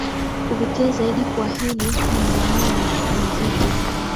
Kuvutia zaidi kwa hili ni maeneo ya mapumziko